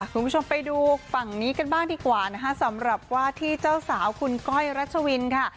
คุณผู้ชมไปดูฝั่งนี้กันบ้างดีกว่านะคะสำหรับว่าที่เจ้าสาวคุณก้อยรัชวินค่ะ